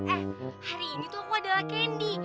eh hari ini tuh aku adalah kendi